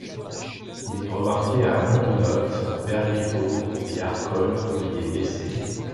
Il est remarqué à Montenotte, Berghetto et à Arcole où il est blessé.